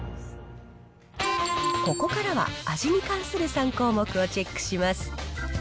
ここからは味に関する３項目をチェックします。